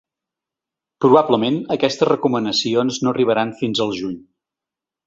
Probablement, aquestes recomanacions no arribaran fins al juny.